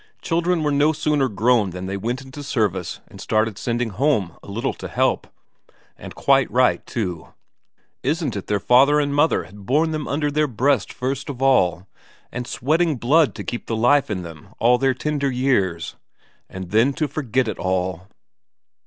Children were no sooner grown than they went into service and started sending home a little to help. And quite right, too. Isn't it their father and mother had borne them under their breast first of all, and sweating blood to keep the life in them all their tender years? And then to forget it all!"